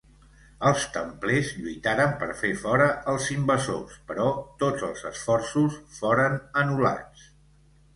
Els templers lluitaren per fer fora els invasors, però tots els esforços foren anul·lats.